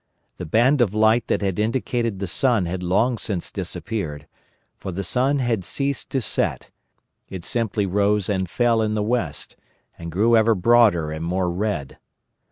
The band of light that had indicated the sun had long since disappeared; for the sun had ceased to set—it simply rose and fell in the west, and grew ever broader and more red.